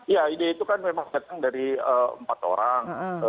ya ide itu kan memang datang dari empat orang